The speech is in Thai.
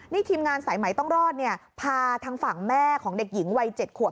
นี่ทีมงานสายไหมต้องรอดเนี่ยพาทางฝั่งแม่ของเด็กหญิงวัย๗ขวบ